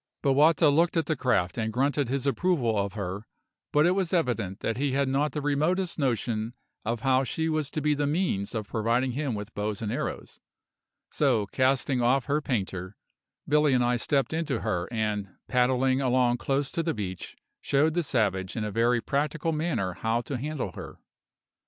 Bowata looked at the craft and grunted his approval of her; but it was evident that he had not the remotest notion of how she was to be the means of providing him with bows and arrows; so, casting off her painter, Billy and I stepped into her and, paddling along close to the beach, showed the savage in a very practical manner how to handle her.